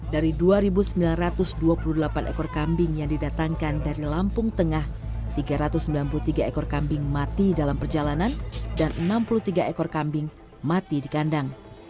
dari dua sembilan ratus dua puluh delapan ekor kambing yang didatangkan dari lampung tengah tiga ratus sembilan puluh tiga ekor kambing mati dalam perjalanan dan enam puluh tiga ekor kambing mati di kandang